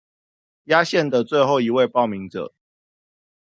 壓線的最後一位報名者